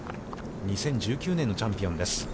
２０１９年のチャンピオンです。